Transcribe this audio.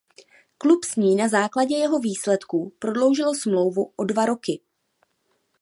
Klub s ním na základě jeho výsledků prodloužil smlouvu o dva roky.